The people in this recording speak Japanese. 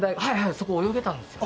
そこ泳げたんですよ。